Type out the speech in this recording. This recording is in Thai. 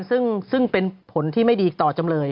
ซึ่งเป็นผลที่ไม่ดีต่อจำเลย